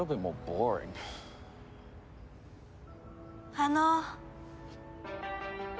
あの。